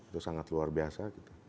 itu sangat luar biasa